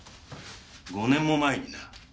５年も前にな。